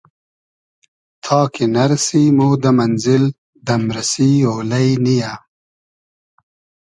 تا کی نئرسی مۉ دۂ مئنزیل دئمریسی اۉلݷ نییۂ